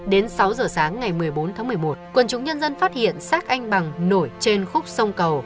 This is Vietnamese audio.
đến sáu giờ sáng ngày một mươi bốn tháng một mươi một quần chủng nhân dân phát hiện sắc anh bằng nổi trên khúc sông cầu